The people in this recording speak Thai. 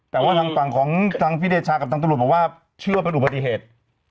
แต่ว่าทางฝั่งของทางพี่เดชากับทางตำรวจบอกว่าเชื่อว่าเป็นอุบัติเหตุ